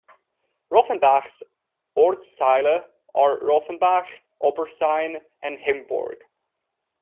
Rothenbach's "Ortsteile" are Rothenbach, Obersayn and Himburg.